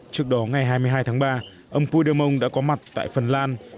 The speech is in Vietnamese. trước đó ngày hai mươi hai tháng ba ông phúy đơ mông đã có mặt tại phần lan